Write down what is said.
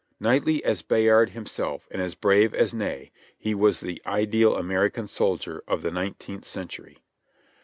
Knightly as Bayard himself and as brave as Ney, he was the ideal American soldier of the nineteenth century.